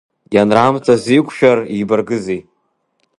Ианраамҭаз иқәшәар, ибаргызи.